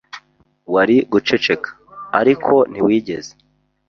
Wari guceceka, ariko ntiwigeze.